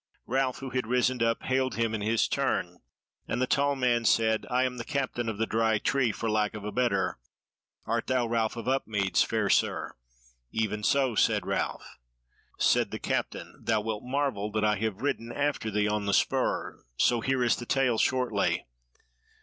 Ralph, who had risen up, hailed him in his turn, and the tall man said: "I am the Captain of the Dry Tree for lack of a better; art thou Ralph of Upmeads, fair sir?" "Even so," said Ralph. Said the Captain: "Thou wilt marvel that I have ridden after thee on the spur; so here is the tale shortly.